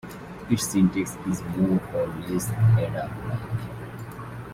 Its syntax is more or less Ada-like.